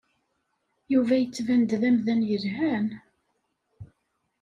Yuba yettban-d d amdan yelhan.